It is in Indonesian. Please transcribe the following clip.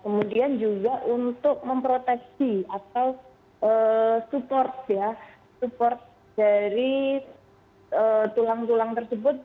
kemudian juga untuk memproteksi atau support ya support dari tulang tulang tersebut